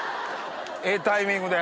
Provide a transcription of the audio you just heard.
ええタイミングで。